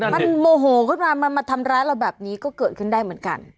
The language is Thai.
มันโมโหขึ้นมามันมาทำร้ายเราแบบนี้ก็เกิดขึ้นได้เหมือนกัน